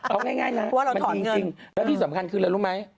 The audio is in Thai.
เอาง่ายนะจริงแล้วที่สำคัญคืออะไรรู้ไหม